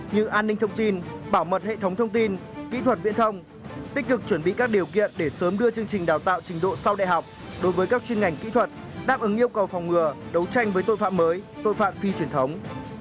như an ninh thông tin bảo mật hệ thống thông tin kỹ thuật viễn thông tích cực chuẩn bị các điều kiện để sớm đưa chương trình đào tạo trình độ sau đại học đối với các chuyên ngành kỹ thuật đáp ứng yêu cầu phòng ngừa đấu tranh với tội phạm mới tội phạm phi truyền thống